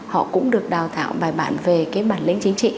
họ cũng được đào tạo bài bản về cái bản lĩnh chính trị